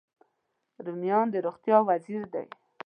رومیان د روغتیا وزیر دی